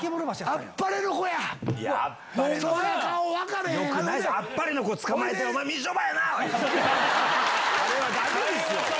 あれはダメですよ！